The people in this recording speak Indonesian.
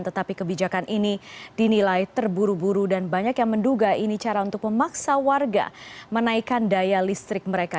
tetapi kebijakan ini dinilai terburu buru dan banyak yang menduga ini cara untuk memaksa warga menaikkan daya listrik mereka